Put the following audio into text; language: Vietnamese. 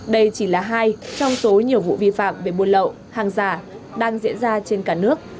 đây chỉ là hai trong số nhiều vụ vi phạm về buôn lậu hàng giả đang diễn ra trên cả nước